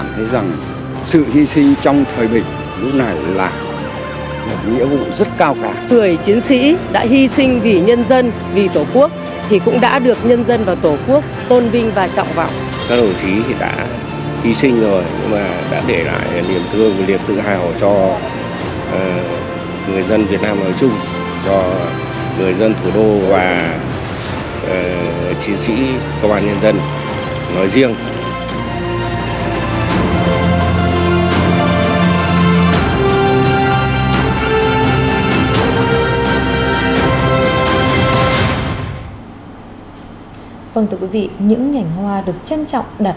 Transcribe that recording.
nhưng sự hy sinh của các chiến sĩ công an đã để lại những tấm gương vô cùng đẹp đẽ